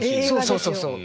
そうそうそうそう。